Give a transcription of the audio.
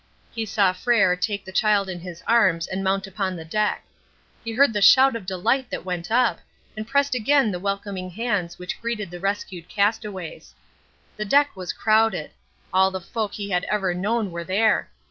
He saw Frere take the child in his arms and mount upon the deck; he heard the shout of delight that went up, and pressed again the welcoming hands which greeted the rescued castaways. The deck was crowded. All the folk he had ever known were there.